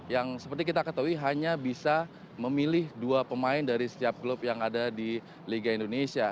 yang seperti kita ketahui hanya bisa memilih dua pemain dari setiap klub yang ada di liga indonesia